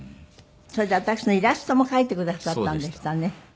それで私のイラストも描いてくださったんでしたね。